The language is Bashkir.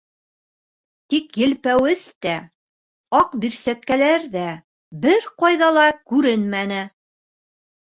Тик елпеүес тә, аҡ бирсәткәләр ҙә бер ҡайҙа ла күренмәне.